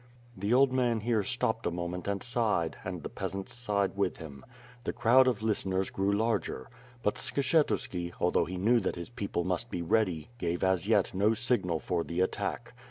'* The old man here stopped a moment and sis:hed, and the peasants sighed with him. The crowd of listeners grew larger. But Skshetuski, although he knew that his people must be ready, gave as yet no signal for the attack.